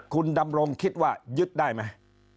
คุณดำรงคิดว่ายึดได้ไหม